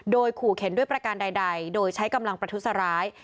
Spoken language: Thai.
โดยขู่เข็นด้วยประการใดโดยใช้กำลังประทุษร้าย